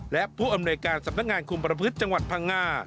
และผู้อำนวยการสำนักงานคุมประพฤติจังหวัดพังงา